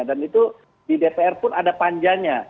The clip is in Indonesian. dan itu di dpr pun ada panjanya